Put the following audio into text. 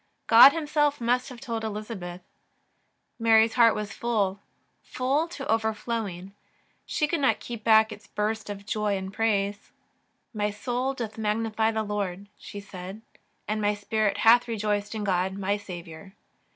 God, Himself, must have told Elizabeth. Mary's heart was full, full to overflowing. She could not keep back its burst of joy and praise :" My soul doth magnify the Lord," she said, " and my spirit hath rejoiced in God my Saviour.